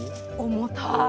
重たい。